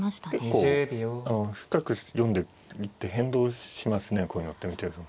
結構深く読んでいって変動しますねこういうのって見てると。